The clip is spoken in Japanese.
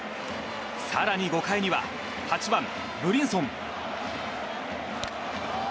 更に５回には８番、ブリンソン。